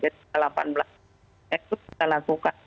itu kita lakukan